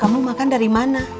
kamu makan dari mana